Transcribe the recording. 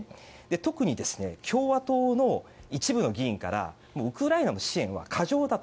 特に共和党の一部の議員からウクライナの支援は過剰だと。